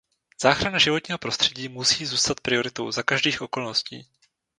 Záchrana životního prostředí musí zůstat prioritou za každých okolností.